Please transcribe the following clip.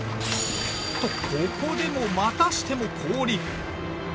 とここでもまたしても氷！